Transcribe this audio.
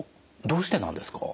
どうしてなんですか？